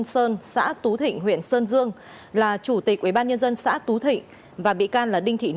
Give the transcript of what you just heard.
xin chào các bạn